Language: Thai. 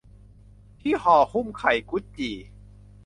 ที่ห่อหุ้มไข่กุดจี่